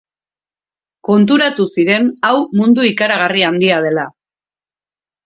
Konturatu ziren hau mundu ikaragarri handia dela.